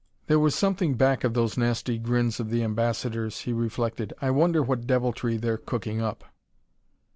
"There was something back of those nasty grins of the ambassadors," he reflected. "I wonder what deviltry they're cooking up?"